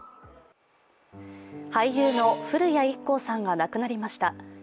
俳優の古谷一行さんが亡くなりました。